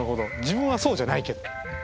自分はそうじゃないけど。